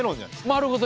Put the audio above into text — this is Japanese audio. あなるほど。